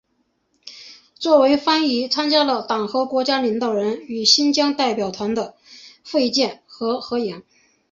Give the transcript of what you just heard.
还作为翻译参加了党和国家领导人与新疆代表团的会见和合影。